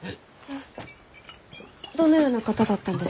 どのような方だったんですか？